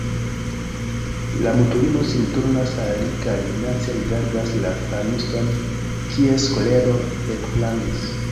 La mutulino sin turnas al li kaj minace rigardas la farmiston, kies kolero ekflamis.